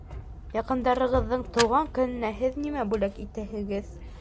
Яҡындарығыҙҙың тыуған көнөнә һеҙ нимә бүләк итәһегеҙ?